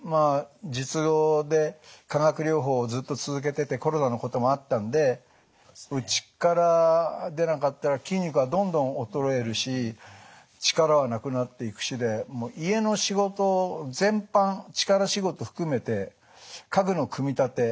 術後で化学療法をずっと続けててコロナのこともあったんでうちから出なかったら筋肉はどんどん衰えるし力はなくなっていくしで家の仕事全般力仕事含めて家具の組み立て。